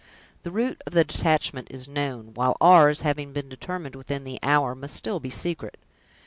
The route of the detachment is known, while ours, having been determined within the hour, must still be secret."